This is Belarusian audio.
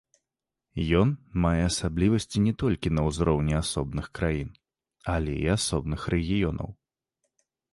Ён мае асаблівасці не толькі на ўзроўні асобных краін, але і асобных рэгіёнаў.